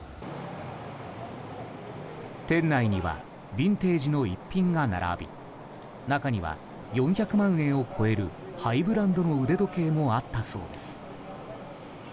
店内にはビンテージの逸品が並び中には４００万円を超えるハイブランドの腕時計もあったそうです。